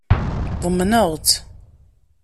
Ḍemnen-tt.